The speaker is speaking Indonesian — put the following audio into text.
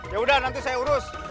ya udah nanti saya urus